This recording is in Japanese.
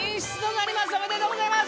ありがとうございます。